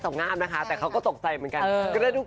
เขาจะทำเข้าแดงด้วยนิดนึง